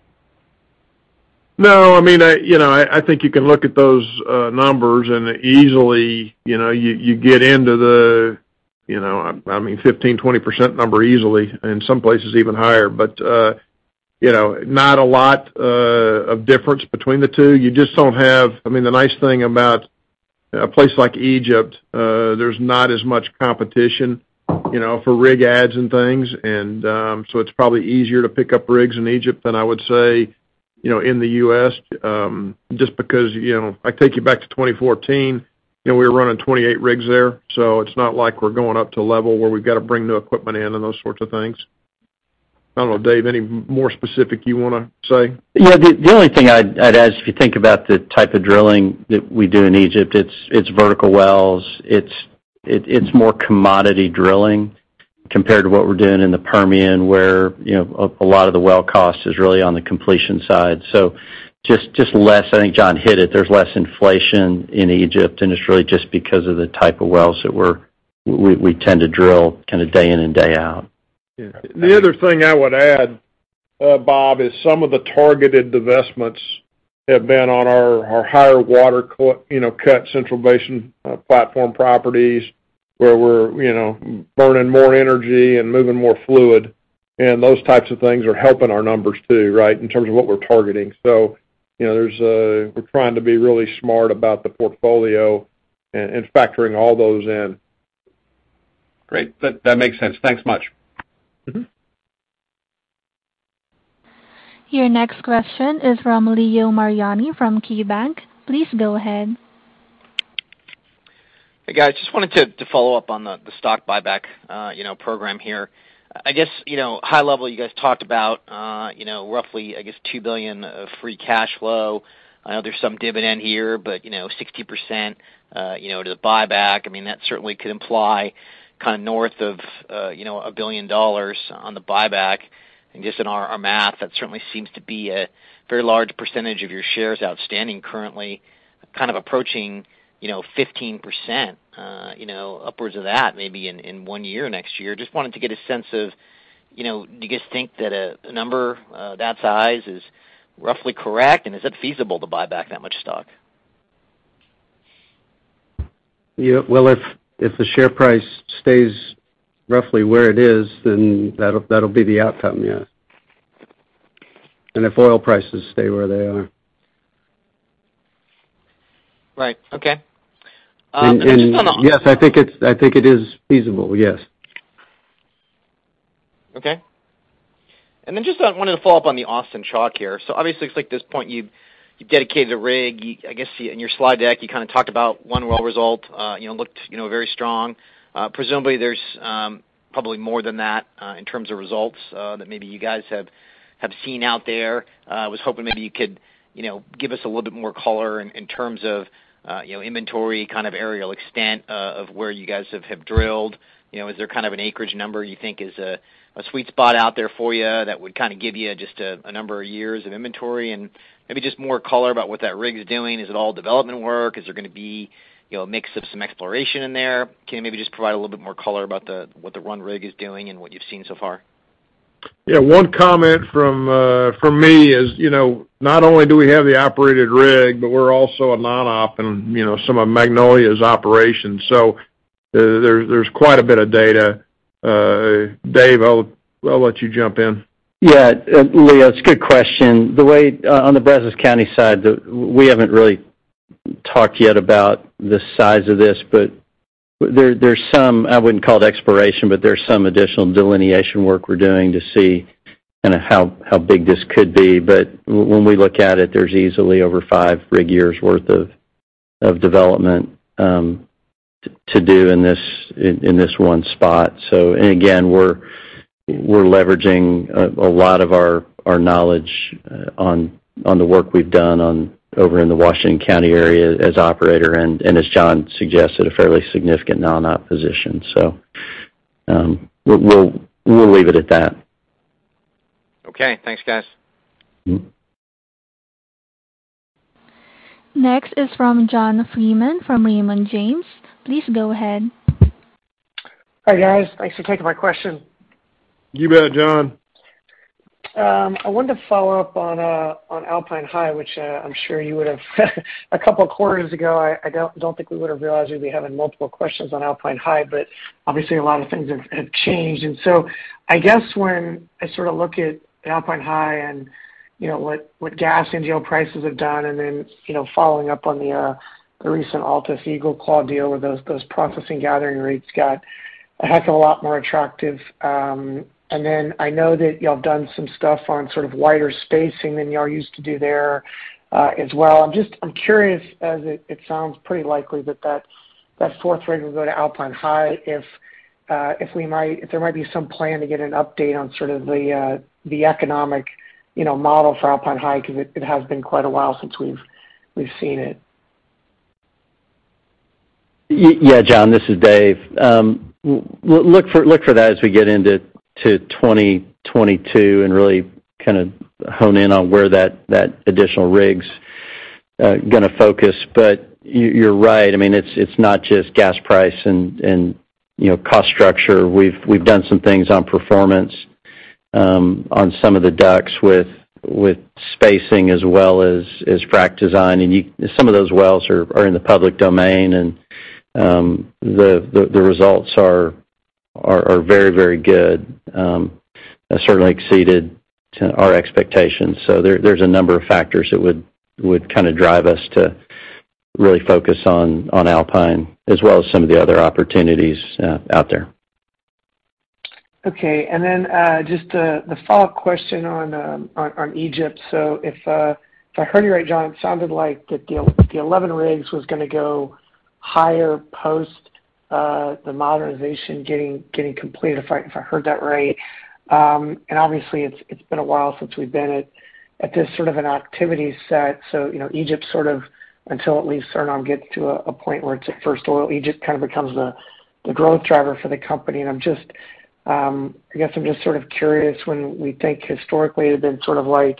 No. I mean, you know, I think you can look at those numbers and easily, you know, you get into the, you know, I mean, 15%-20% number easily, and in some places even higher. You know, not a lot of difference between the two. You just don't have. I mean, the nice thing about a place like Egypt, there's not as much competition, you know, for rig adds and things. So it's probably easier to pick up rigs in Egypt than I would say, you know, in the U.S., just because, you know, I take you back to 2014, you know, we were running 28 rigs there. It's not like we're going up to a level where we've got to bring new equipment in and those sorts of things. I don't know, Dave, any more specific you wanna say? Yeah. The only thing I'd add, if you think about the type of drilling that we do in Egypt, it's vertical wells. It's more commodity drilling compared to what we're doing in the Permian, where, you know, a lot of the well cost is really on the completion side. So just less, I think John hit it. There's less inflation in Egypt, and it's really just because of the type of wells that we tend to drill kinda day in and day out. The other thing I would add, Bob, is some of the targeted divestments have been on our higher water cut Central Basin platform properties, where we're, you know, burning more energy and moving more fluid. Those types of things are helping our numbers too, right? In terms of what we're targeting. You know, we're trying to be really smart about the portfolio and factoring all those in. Great. That makes sense. Thanks much. Mm-hmm. Your next question is from Leo Mariani from KeyBanc. Please go ahead. Hey, guys. Just wanted to follow-up on the stock buyback, you know, program here. I guess, you know, high level, you guys talked about, you know, roughly, I guess, $2 billion of free cash flow. I know there's some dividend here, but, you know, 60%, you know, to the buyback. I mean, that certainly could imply kinda north of, you know, $1 billion on the buyback. Just in our math, that certainly seems to be a very large percentage of your shares outstanding currently, kind of approaching, you know, 15%, you know, upwards of that maybe in one-year, next year. Just wanted to get a sense of, you know, do you guys think that a number that size is roughly correct, and is it feasible to buy back that much stock? Yeah. Well, if the share price stays roughly where it is, then that'll be the outcome, yeah. If oil prices stay where they are. Right. Okay. Just on the Yes, I think it is feasible, yes. Okay. Just wanted to follow-up on the Austin Chalk here. Obviously, it's like this point you've dedicated a rig. I guess, in your slide deck, you kinda talked about one well result, you know, looked, you know, very strong. Presumably, there's probably more than that, in terms of results, that maybe you guys have seen out there. Was hoping maybe you could, you know, give us a little bit more color in terms of, you know, inventory, kind of lateral extent of where you guys have drilled. You know, is there kind of an acreage number you think is a sweet spot out there for you that would kinda give you just a number of years of inventory? Maybe just more color about what that rig is doing. Is it all development work? Is there gonna be, you know, a mix of some exploration in there? Can you maybe just provide a little bit more color about the, what the one rig is doing and what you've seen so far? Yeah. One comment from me is, you know, not only do we have the operated rig, but we're also a non-op in, you know, some of Magnolia's operations. There, there's quite a bit of data. Dave, I'll let you jump in. Yeah. Leo, it's a good question. The way on the Brazos County side, we haven't really talked yet about the size of this, but there's some. I wouldn't call it exploration, but there's some additional delineation work we're doing to see kinda how big this could be. When we look at it, there's easily over five rig years worth of development to do in this one spot. We're leveraging a lot of our knowledge on the work we've done over in the Washington County area as operator, and as John suggested, a fairly significant non-op position. We'll leave it at that. Okay. Thanks, guys. Mm-hmm. Next is from John Freeman from Raymond James. Please go ahead. Hi, guys. Thanks for taking my question. You bet, John. I wanted to follow up on Alpine High, which I'm sure you would've a couple of quarters ago. I don't think we would have realized we'd be having multiple questions on Alpine High, but obviously, a lot of things have changed. I guess when I sort of look at Alpine High and, you know, what gas NGL prices have done, and then, you know, following up on the recent Altus EagleClaw deal where those processing gathering rates got a heck of a lot more attractive. And then I know that y'all have done some stuff on sort of wider spacing than y'all used to do there, as well. I'm curious, as it sounds pretty likely that the fourth rig will go to Alpine High, if there might be some plan to get an update on sort of the economic, you know, model for Alpine High, 'cause it has been quite a while since we've seen it. Yeah, John, this is Dave. Well, look for that as we get into 2022, and really kinda hone in on where that additional rig's gonna focus. You're right. I mean, it's not just gas price and you know, cost structure. We've done some things on performance, on some of the DUCs with spacing as well as frack design. Some of those wells are in the public domain, and the results are very good and certainly exceeded our expectations. There's a number of factors that would kinda drive us to really focus on Alpine, as well as some of the other opportunities out there. Just the follow-up question on Egypt. If I heard you right, John, it sounded like the 11 rigs was gonna go higher post the modernization getting completed, if I heard that right. Obviously, it's been a while since we've been at this sort of an activity set. You know, Egypt sort of until at least Suriname gets to a point where it's at first oil, Egypt kind of becomes the growth driver for the company. I'm just, I guess I'm just sort of curious when we think historically, it had been sort of like,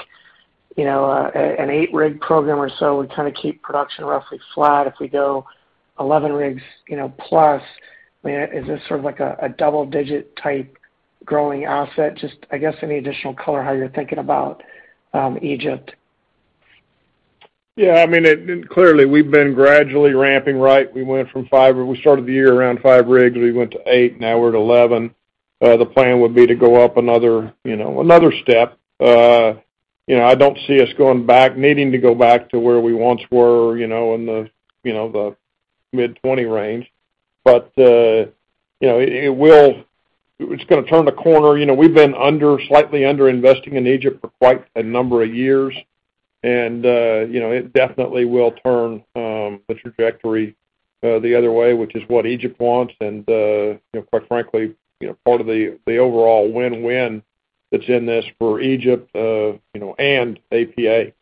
you know, an eight-rig program or so would kind of keep production roughly flat. If we go 11 rigs, you know, plus, I mean, is this sort of like a double-digit type growing asset? Just, I guess, any additional color how you're thinking about Egypt. Yeah, I mean, it clearly we've been gradually ramping, right? We started the year around five rigs, we went to eight, now we're at 11. The plan would be to go up another step. You know, I don't see us going back, needing to go back to where we once were, you know, in the mid-20 range. You know, it will. It's gonna turn the corner. You know, we've been slightly under investing in Egypt for quite a number of years. You know, it definitely will turn the trajectory the other way, which is what Egypt wants. You know, quite frankly, you know, part of the overall win-win that's in this for Egypt, you know, and APA.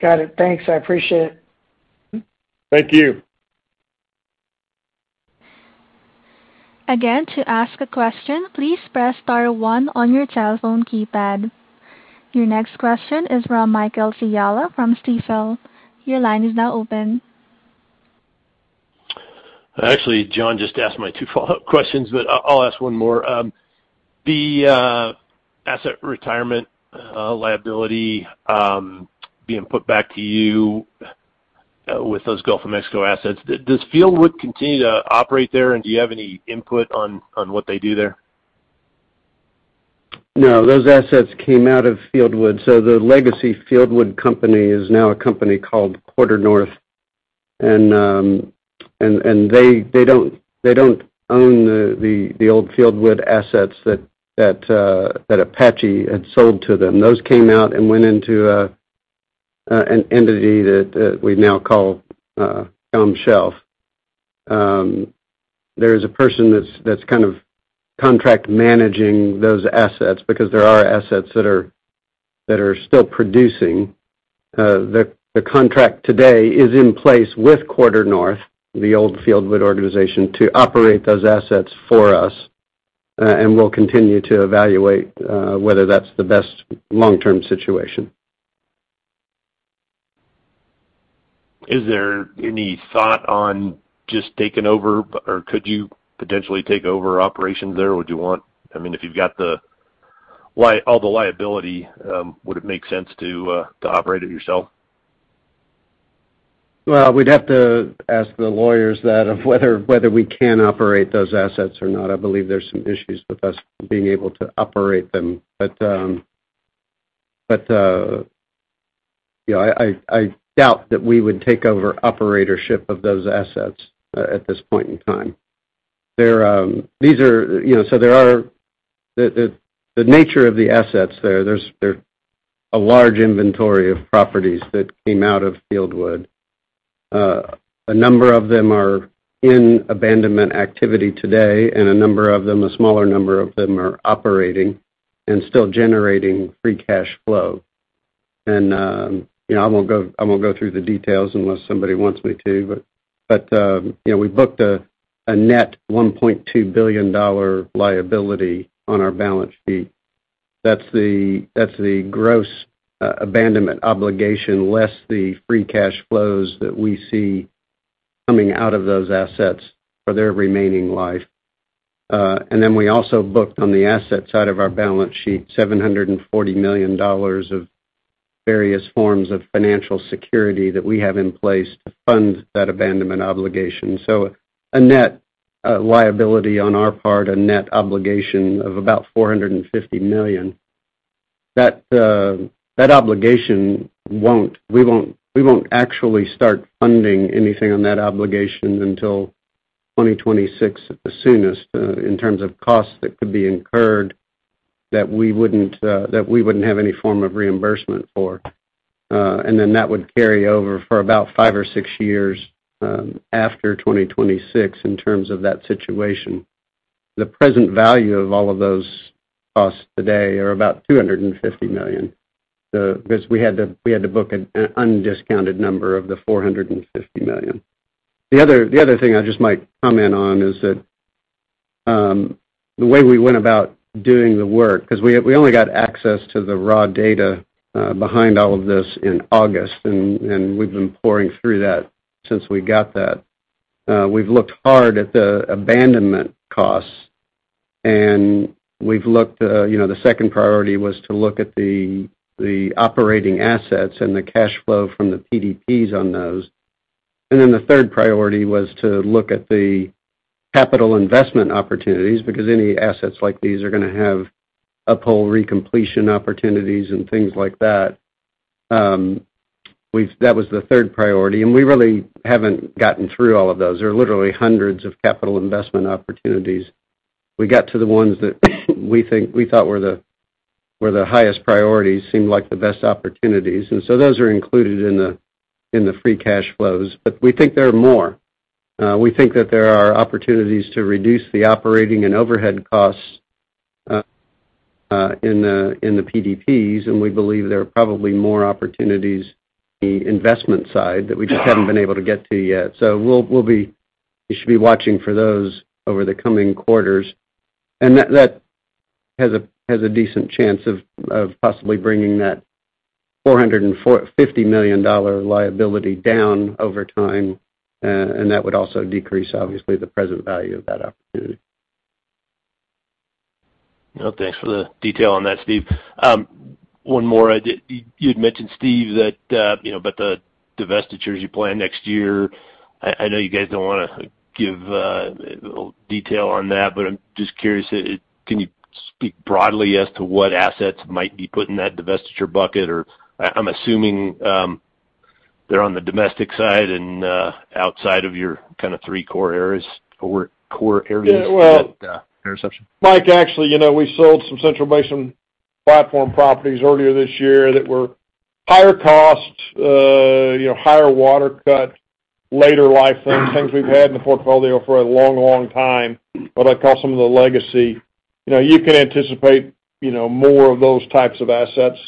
Got it. Thanks, I appreciate it. Thank you. Your next question is from Michael Scialla from Stifel. Your line is now open. Actually, John just asked my two follow-up questions, but I'll ask one more. The asset retirement liability being put back to you with those Gulf of Mexico assets, does Fieldwood continue to operate there? Do you have any input on what they do there? No, those assets came out of Fieldwood. The legacy Fieldwood company is now a company called QuarterNorth. They don't own the old Fieldwood assets that Apache had sold to them. Those came out and went into an entity that we now call GOM Shelf. There is a person that's kind of contract managing those assets because there are assets that are still producing. The contract today is in place with QuarterNorth, the old Fieldwood organization, to operate those assets for us, and we'll continue to evaluate whether that's the best long-term situation. Is there any thought on just taking over or could you potentially take over operations there? Would you want? I mean, if you've got all the liability, would it make sense to operate it yourself? Well, we'd have to ask the lawyers that of whether we can operate those assets or not. I believe there's some issues with us being able to operate them. You know, I doubt that we would take over operatorship of those assets at this point in time. You know, the nature of the assets there. They're a large inventory of properties that came out of Fieldwood. A number of them are in abandonment activity today, and a smaller number of them are operating and still generating free cash flow. You know, I won't go through the details unless somebody wants me to, but you know, we booked a net $1.2 billion liability on our balance sheet. That's the gross abandonment obligation, less the free cash flows that we see coming out of those assets for their remaining life. Then we also booked on the asset side of our balance sheet, $740 million of various forms of financial security that we have in place to fund that abandonment obligation. A net liability on our part, a net obligation of about $450 million. We won't actually start funding anything on that obligation until 2026 at the soonest, in terms of costs that could be incurred that we wouldn't have any form of reimbursement for. That would carry over for about five or six years after 2026 in terms of that situation. The present value of all of those costs today are about $250 million. The 'cause we had to book an undiscounted number of the $450 million. The other thing I just might comment on is that the way we went about doing the work 'cause we only got access to the raw data behind all of this in August and we've been poring through that since we got that. We've looked hard at the abandonment costs. The second priority was to look at the operating assets and the cash flow from the PDPs on those. Then the third priority was to look at the capital investment opportunities because any assets like these are gonna have uphole recompletion opportunities and things like that. We've That was the third priority, and we really haven't gotten through all of those. There are literally hundreds of capital investment opportunities. We got to the ones that we think were the highest priorities that seem like the best opportunities. Those are included in the free cash flows. We think there are more. We think that there are opportunities to reduce the operating and overhead costs in the PDPs, and we believe there are probably more opportunities in the investment side that we just haven't been able to get to yet. You should be watching for those over the coming quarters. That has a decent chance of possibly bringing that $450 million liability down over time. That would also decrease obviously the present value of that opportunity. Well, thanks for the detail on that, Steve. One more. You'd mentioned, Steve, that you know about the divestitures you plan next year. I know you guys don't wanna give detail on that, but I'm just curious. Can you speak broadly as to what assets might be put in that divestiture bucket? I'm assuming they're on the domestic side and outside of your kinda three core areas or core areas that intersection. Yeah. Well, Mike, actually, you know, we sold some Central Basin platform properties earlier this year that were higher cost, you know, higher water cut, later life things we've had in the portfolio for a long, long time, what I call some of the legacy. You know, you can anticipate, you know, more of those types of assets,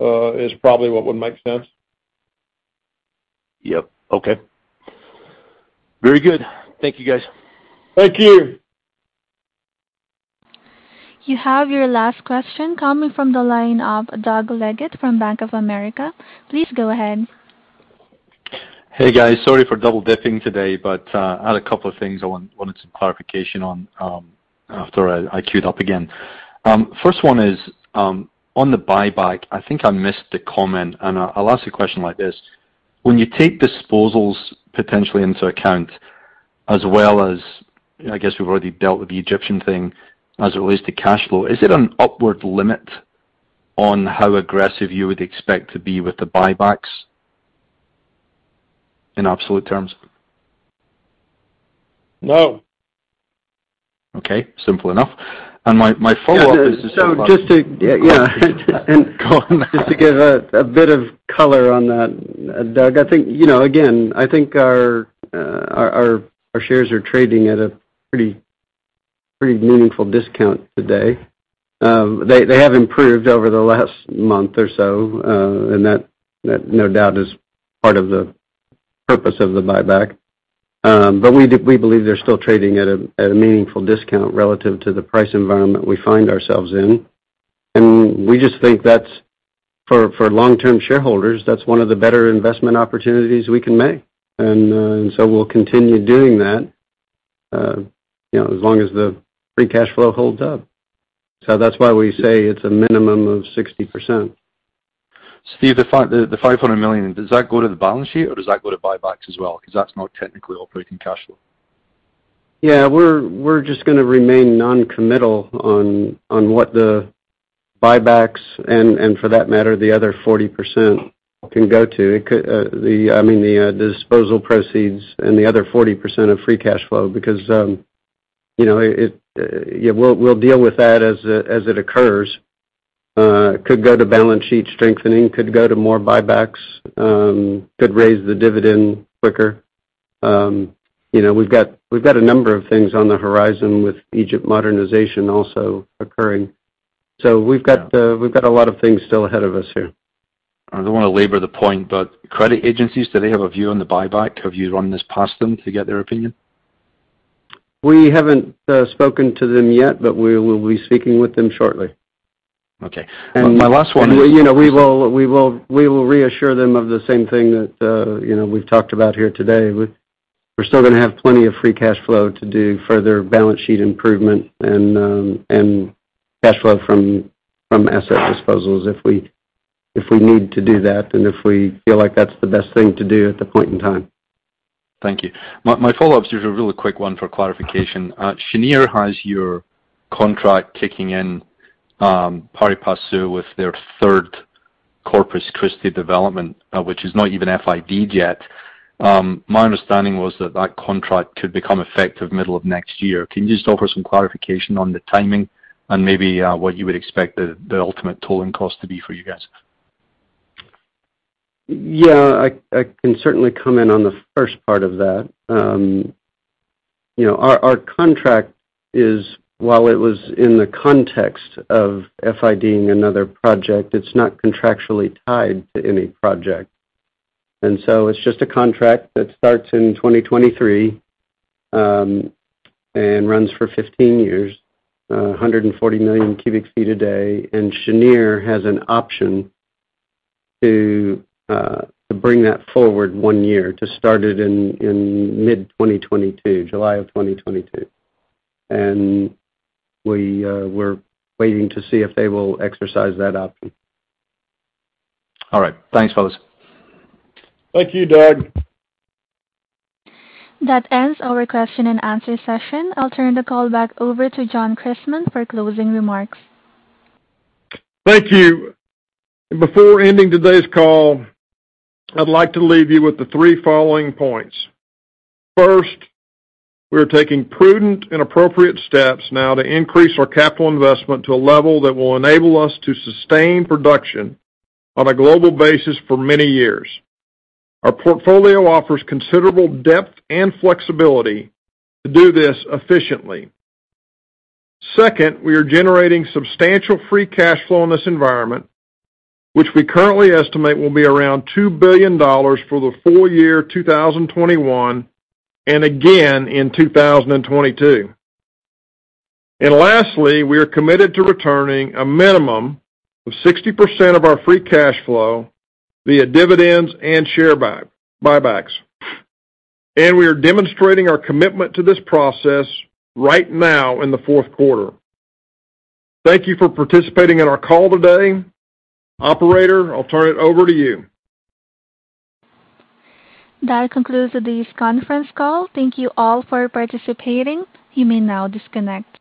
is probably what would make sense. Yep. Okay. Very good. Thank you, guys. Thank you. You have your last question coming from the line of Doug Leggate from Bank of America. Please go ahead. Hey, guys. Sorry for double-dipping today, but I had a couple of things I wanted some clarification on after I queued up again. First one is on the buyback. I think I missed the comment, and I'll ask the question like this. When you take disposals potentially into account, as well as, I guess, we've already dealt with the Egyptian thing as it relates to cash flow, is it an upward limit on how aggressive you would expect to be with the buybacks in absolute terms? No. Okay. Simple enough. My follow-up is just- Yeah, yeah. Go on. Just to give a bit of color on that, Doug. I think you know again I think our shares are trading at a pretty meaningful discount today. They have improved over the last month or so, and that no doubt is part of the purpose of the buyback. But we believe they're still trading at a meaningful discount relative to the price environment we find ourselves in. We just think that's for long-term shareholders that's one of the better investment opportunities we can make. We'll continue doing that you know as long as the free cash flow holds up. That's why we say it's a minimum of 60%. Steve, the $500 million, does that go to the balance sheet, or does that go to buybacks as well? 'Cause that's not technically operating cash flow. Yeah. We're just gonna remain noncommittal on what the buybacks, and for that matter, the other 40% can go to. Yeah, we'll deal with that as it occurs. Could go to balance sheet strengthening, could go to more buybacks, could raise the dividend quicker. You know, we've got a number of things on the horizon with Egypt modernization also occurring. We've got a lot of things still ahead of us here. I don't wanna labor the point, but credit agencies, do they have a view on the buyback? Have you run this past them to get their opinion? We haven't spoken to them yet, but we will be speaking with them shortly. Okay. My last one. You know, we will reassure them of the same thing that, you know, we've talked about here today. We're still gonna have plenty of free cash flow to do further balance sheet improvement and cash flow from asset disposals if we need to do that and if we feel like that's the best thing to do at the point in time. Thank you. My follow-up's just a really quick one for clarification. Cheniere has your contract kicking in, pari passu with their third Corpus Christi development, which is not even FID'd yet. My understanding was that that contract could become effective middle of next year. Can you just offer some clarification on the timing and maybe, what you would expect the ultimate tolling cost to be for you guys? Yeah. I can certainly comment on the first part of that. You know, our contract is, while it was in the context of FID'ing another project, it's not contractually tied to any project. It's just a contract that starts in 2023 and runs for 15 years, 140 million cubic feet a day. Cheniere has an option to bring that forward one year to start it in mid-2022, July 2022. We're waiting to see if they will exercise that option. All right. Thanks, fellas. Thank you, Doug. That ends our question-and-answer session. I'll turn the call back over to John J. Christmann IV for closing remarks. Thank you. Before ending today's call, I'd like to leave you with the three following points. First, we are taking prudent and appropriate steps now to increase our capital investment to a level that will enable us to sustain production on a global basis for many years. Our portfolio offers considerable depth and flexibility to do this efficiently. Second, we are generating substantial free cash flow in this environment, which we currently estimate will be around $2 billion for the full year 2021, and again in 2022. Lastly, we are committed to returning a minimum of 60% of our free cash flow via dividends and share buybacks. We are demonstrating our commitment to this process right now in the fourth quarter. Thank you for participating in our call today. Operator, I'll turn it over to you. That concludes today's conference call. Thank you all for participating. You may now disconnect.